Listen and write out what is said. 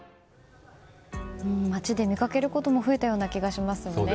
街で見かけることも増えたような気がしますね。